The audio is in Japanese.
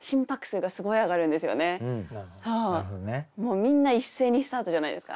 みんな一斉にスタートじゃないですか。